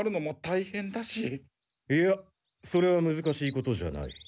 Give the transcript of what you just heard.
いやそれは難しいことじゃない。